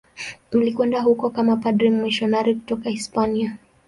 Alikwenda huko kama padri mmisionari kutoka Hispania.